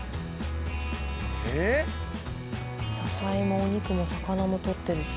野菜もお肉も魚も取ってるし。